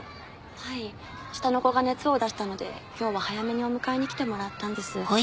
はい下の子が熱を出したので今日は早めにお迎えに来てもらったんです。